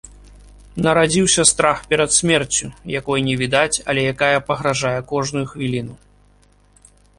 Нарадзіўся страх перад смерцю, якой не відаць, але якая пагражае кожную хвіліну.